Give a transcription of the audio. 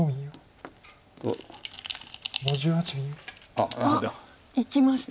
あっいきました。